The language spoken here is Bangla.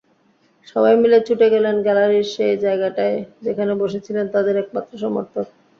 সবাই মিলে ছুটে গেলেন গ্যালারির সেই জায়গাটায়, যেখানে বসেছিলেন তাদের একমাত্র সমর্থক।